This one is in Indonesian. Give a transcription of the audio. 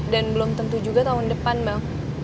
dan belum tentu juga tahun depan bang